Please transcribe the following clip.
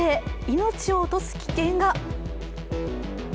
命を落とす危険が。